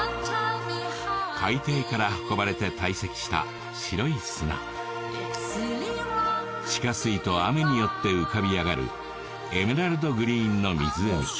海底から運ばれて堆積した白い砂地下水と雨によって浮かび上がるエメラルドグリーンの湖